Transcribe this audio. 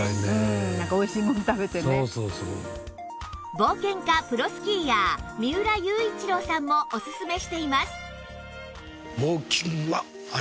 冒険家プロスキーヤー三浦雄一郎さんもオススメしています